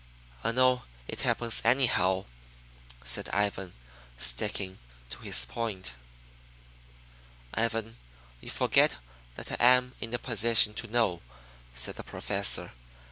"I know it happens anyhow," said Ivan, sticking to his point. "Ivan, you forget that I am in a position to know," said the Professor.